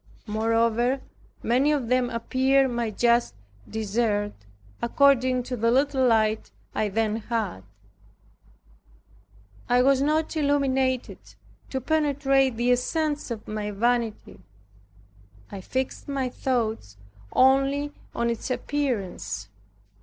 Moreover, many of them appeared my just dessert according to the little light I then had. I was not illuminated to penetrate the essence of my vanity; I fixed my thoughts only on its appearance.